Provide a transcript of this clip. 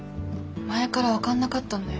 前から分かんなかったんだよ